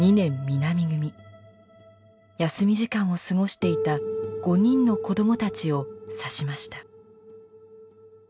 休み時間を過ごしていた５人の子どもたちを刺しました。